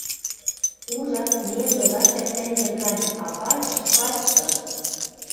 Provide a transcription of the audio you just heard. Ужат, нержӹ лач ӓптӓн нер гань, а пачшы... пачшы...